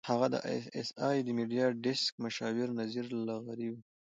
هغه د اى ايس اى د میډیا ډیسک مشاور نذیر لغاري وو.